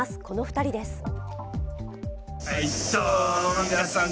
この２人です。